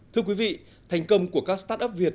thưa quý vị thành công của các start up việt